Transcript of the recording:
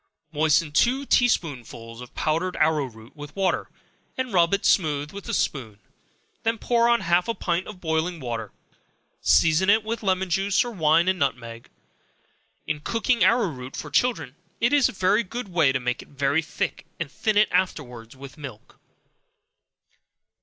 Moisten two tea spoonsful of powdered arrow root with water, and rub it smooth with a spoon; then pour on half a pint of boiling water; season it with lemon juice, or wine and nutmeg. In cooking arrow root for children, it is a very good way to make it very thick, and thin it afterwards with milk.